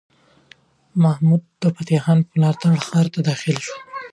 محمود د فتح خان په ملاتړ ښار ته داخل شو.